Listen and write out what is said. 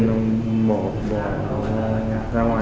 để bỏ bà ra ngoài